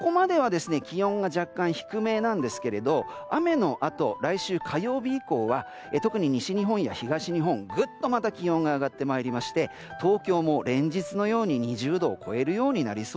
気温はちょっと低めなんですけれども雨のあと、来週火曜日以降は特に西日本や東日本ぐっとまた気温が上がってまいりまして東京も連日のように２０度を超えます。